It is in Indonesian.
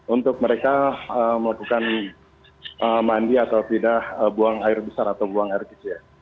untuk mereka melakukan mandi atau pindah buang air besar atau buang air kecil